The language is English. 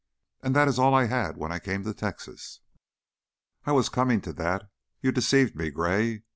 And that is all I had when I came to Texas." "I was coming to that. You deceived me, Gray.